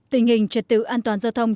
tình hình trật tự an toàn giao thông